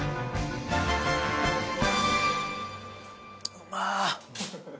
うまっ。